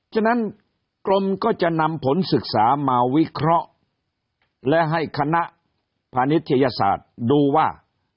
ฉะนั้นกรมก็จะนำผลศึกษามาวิเคราะห์และให้คณะพานิทยาศาสตร์ดูว่า